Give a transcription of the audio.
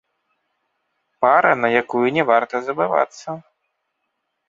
Пара, на якую не варта забывацца.